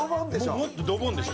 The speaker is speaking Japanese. もっとドボンでしょ。